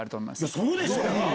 そうでしょ？